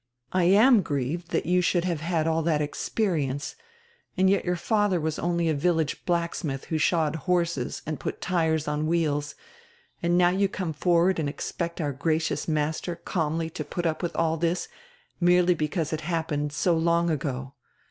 I am grieved diat you should have had all diat experience, and yet your father was only a village blacksmidi who shod horses and put tires on wheels, and now you come forward and expect our gracious master calmly to put up widi all this, merely because it happened so long ago.